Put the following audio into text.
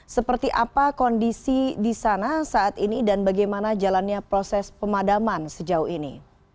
seperti apa kondisi di sana saat ini dan bagaimana jalannya proses pemadaman sejauh ini